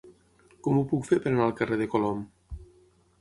Com ho puc fer per anar al carrer de Colom?